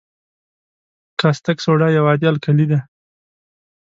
کاستک سوډا یو عادي القلي ده.